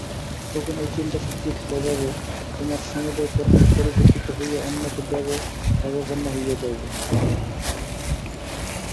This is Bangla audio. তখন ঐ চিন্তাশক্তি-প্রভাবে তোমার সমুদয় কর্মই পরিবর্তিত হইয়া উন্নত দেবভাবাপন্ন হইয়া যাইবে।